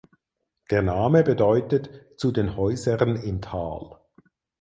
Der Name bedeutet „zu den Häusern im Tal“.